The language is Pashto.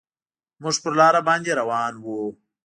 موږ پر لاره باندې روان وو.